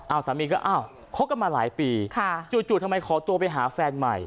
เอาสามีก็อ้าวคบกันมาหลายปีค่ะจู่ทำไมขอตัวไปหาแฟนใหม่